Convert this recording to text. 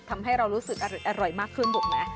ทำให้เรารู้สึกอร่อยมากขึ้นถูกไหม